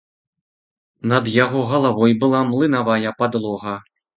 Над яго галавой была млынавая падлога.